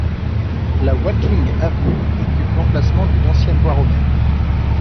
La Watling Avenue occupe l'emplacement d'une ancienne voie romaine.